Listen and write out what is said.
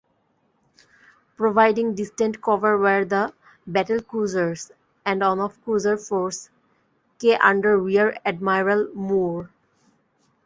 Providing distant cover were the battlecruisers and of Cruiser Force K under Rear-Admiral Moore.